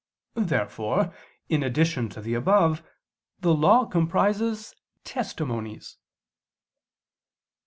Therefore in addition to the above, the Law comprises "testimonies."